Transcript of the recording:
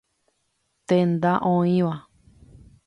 Tenda oĩva.